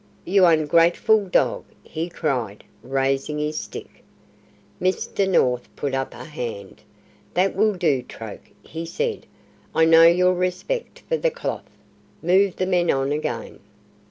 "You ungrateful dog!" he cried, raising his stick. Mr. North put up a hand. "That will do, Troke," he said; "I know your respect for the cloth. Move the men on again."